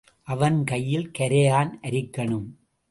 அவன் கையில கரையான் அரிக்கணும்.